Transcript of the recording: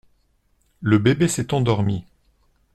Le bébé s’est endormi.